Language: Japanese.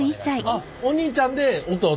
お兄ちゃんで弟？